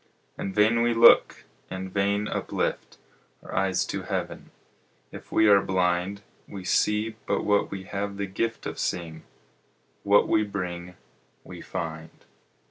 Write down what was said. In vain we look, in vain uplift Our eyes to heaven, if we are blind; We see but what we have the gift Of seeing; what we bring we find.